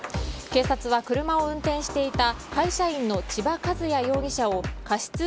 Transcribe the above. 警察は車を運転していた会社員の千葉和也容疑者を過失